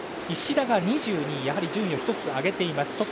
石田が２２位やはり順位を上げています。